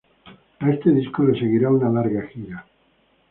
A este disco le seguirá una larga gira.